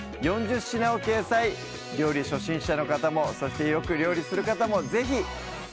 ４０品を掲載料理初心者の方もそしてよく料理する方も是非！